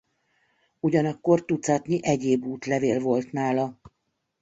Ugyanakkor tucatnyi egyéb útlevél volt nála.